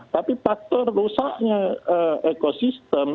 tapi faktor rusaknya ekosistem